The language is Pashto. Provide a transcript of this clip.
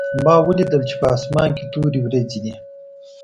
ما ولیدل چې په اسمان کې تورې وریځې دي